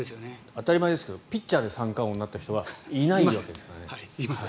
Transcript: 当たり前ですがピッチャーで三冠王になった人はいないわけですから。